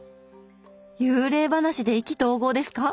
幽霊話で意気投合ですか？